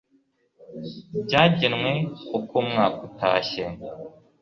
byagenwe uko umwaka utashye